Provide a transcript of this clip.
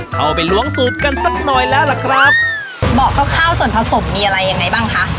เข้าไปล้วงสูตรกันสักหน่อยแล้วล่ะครับบอกกับข้าวส่วนผสมมีอะไรยังไงบ้างคะ